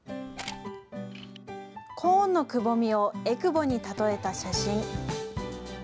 コーンのくぼみをえくぼに例えた写真。